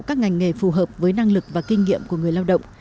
các ngành nghề phù hợp với năng lực và kinh nghiệm của người lao động